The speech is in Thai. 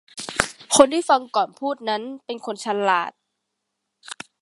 คนที่ฟังก่อนพูดนั้นเป็นคนฉลาด